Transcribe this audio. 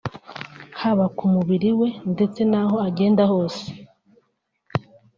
haba ku mubiri we ndetse n’aho agenda hose